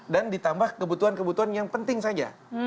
dan ditambah kebutuhan kebutuhan yang penting saja